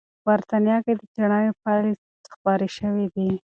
په بریتانیا کې د څېړنې پایلې خپرې شوې دي.